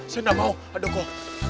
saya tidak mau aduh kau